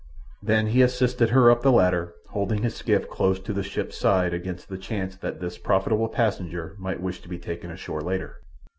Then he assisted her up the ladder, holding his skiff close to the ship's side against the chance that this profitable passenger might wish to be taken ashore later.